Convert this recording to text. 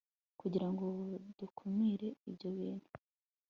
kugira ngo dukumire ibyo bintu